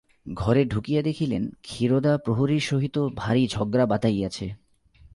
ঘরে ঢুকিয়া দেখিলেন ক্ষীরোদা প্রহরীর সহিত ভারি ঝগড়া বাধাইয়াছে।